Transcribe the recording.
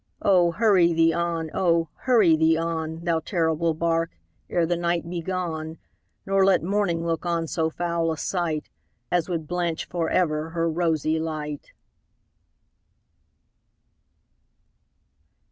Oh! hurry thee on oh! hurry thee on, Thou terrible bark, ere the night be gone, Nor let morning look on so foul a sight As would blanch for ever her rosy light!